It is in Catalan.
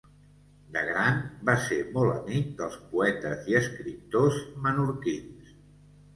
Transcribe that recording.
De gran, va ser molt amic dels poetes i escriptors menorquins.